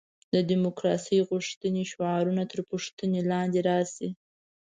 د دیموکراسي غوښتنې شعارونه تر پوښتنې لاندې راشي.